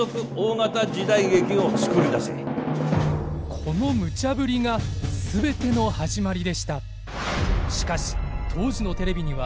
このムチャぶりが全ての始まりでした。